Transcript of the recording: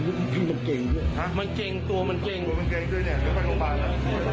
มันเก่งด้วยฮะมันเก่งตัวมันเก่งตัวมันเก่งด้วยเนี่ยมันเป็นของปานล่ะ